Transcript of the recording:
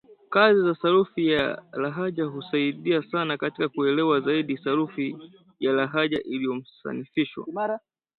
Kazi za sarufi ya lahaja husaidia sana katika kuelewa zaidi sarufi ya lahaja iliyosanifishwa